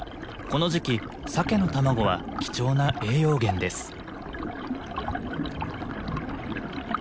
この時期サケの卵は貴重な栄養源です。